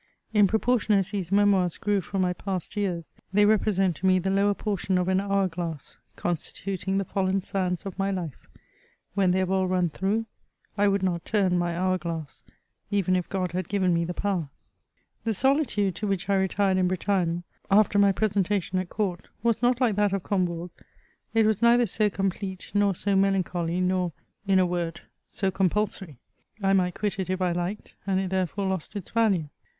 In proportion as these Memoirs grew from my past years, they represent to me the lower portion of an hour glass, constituting the fallen sands of my life r when they have all run through, I would not turn my hour glass, even if God had given me the power. CHATEAUBRIAND. 177 The solitude to which I retired in Bretagne, after mj presentation at court, was not like that of Comhourg : it was neither so complete nor so melancholy, nor, in a word, so compulsory. I might quit it if I liked, and it therefore lost its value.